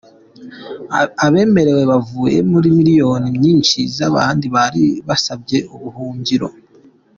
Abemerewe bavuye muri miliyoni nyinshi z'abandi bari basabye ubuhungiro.